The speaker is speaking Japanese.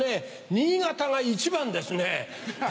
新潟が一番ですね。